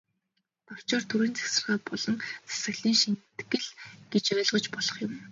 Товчоор, төрийн захиргаа болон засаглалын шинэтгэл гэж ойлгож болох юм.